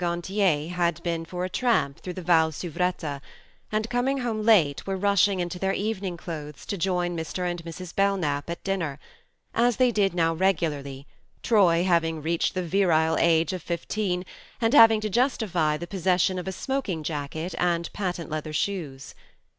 Gantier had been for a tramp through the Val Suvretta, and, coming home late, were rushing into their evening clothes to join Mr. and Mrs. Belknap at dinner (as they did now regularly, Troy having reached the virile age of fifteen, and having to justify the possession of a smoking jacket and patent leather shoes).